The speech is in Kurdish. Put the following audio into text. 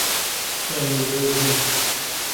Em dibezin.